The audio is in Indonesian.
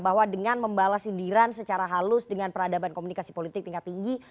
bahwa dengan membalas sindiran secara halus dengan peradaban komunikasi politik tingkat tinggi